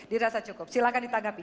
dirasa cukup silahkan ditanggapi